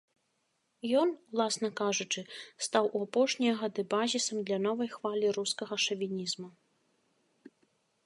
Ён, уласна кажучы, стаў у апошнія гады базісам для новай хвалі рускага шавінізму.